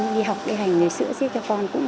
đi học đi hành sữa xếp cho con